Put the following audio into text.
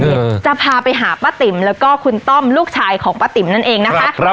จะพาไปหาป้าติ๋มแล้วก็คุณต้อมลูกชายของป้าติ๋มนั่นเองนะคะครับ